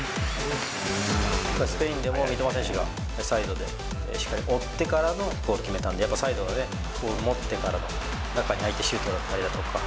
スペインでも三笘選手が、サイドでしっかり追ってからゴール決めたんで、やっぱサイドがボール持ってから、中に入ってシュートだったりとか。